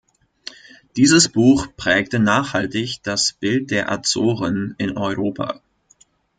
Dieses Buch prägte nachhaltig das Bild der Azoren in Europa.